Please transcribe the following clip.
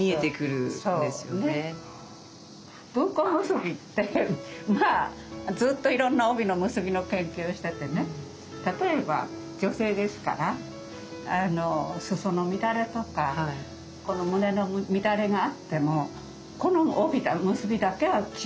文庫結びってまあずっといろんな帯の結びの研究しててね例えば女性ですから裾の乱れとかこの胸の乱れがあってもこの帯の結びだけはキリッとしてる。